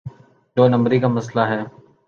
دو نمبری کا مسئلہ ہے۔